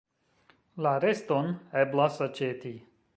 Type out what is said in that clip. La reston eblas aĉeti.